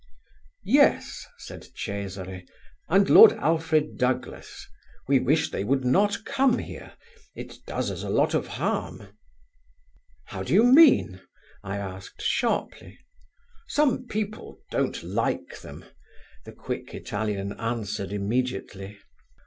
"Yes," said Cesari, "and Lord Alfred Douglas. We wish they would not come here; it does us a lot of harm." "How do you mean?" I asked sharply. "Some people don't like them," the quick Italian answered immediately.